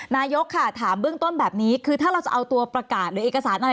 นายกค่ะถามเบื้องต้นแบบนี้คือถ้าเราจะเอาตัวประกาศหรือเอกสารอะไร